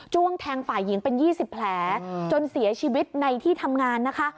้วงแทงฝ่ายหญิงเป็น๒๐แผลจนเสียชีวิตในที่ทำงานนะคะ